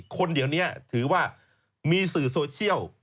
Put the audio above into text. คนเดี๋ยวนี้ถือว่ามีสื่อโซเชียล